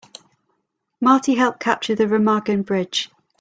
Marty helped capture the Remagen Bridge.